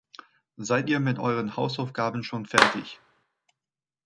Seid ihr mit euren Hausaufgaben schon fertig?